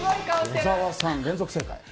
小沢さん、連続正解。